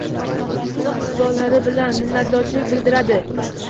Siniq nigohlari bilan minnatdorchilik bildirdi.